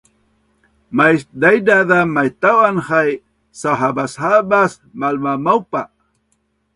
mas daidaz a maitau an hai sauhabashabas malmamaupa